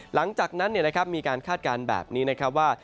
หลังจากนั้นมีการคาดการณ์แบบนี้นะครับว่า